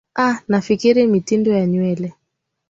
aa nafikiri mitindo ya nywele